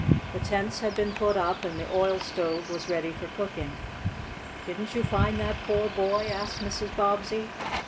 The tents had been put up, and the oil stove was ready for cooking. "Didn't you find that poor boy?" asked Mrs. Bobbsey.